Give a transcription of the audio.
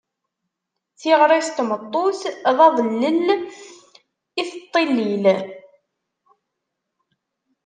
Tiɣrit n tmeṭṭut, d aḍellel i teṭṭellil.